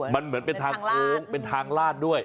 มันเหมือนเป็นทางโค้งเป็นทางลาดด้วย